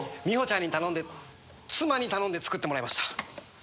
みほちゃんに頼んで妻に頼んで作ってもらいました。